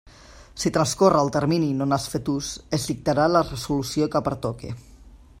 Si transcorre el termini i no n'ha fet ús, es dictarà la resolució que pertoque.